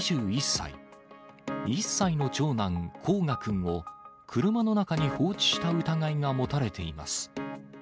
１歳の長男、煌翔くんを車の中に放置した疑いが持たれています。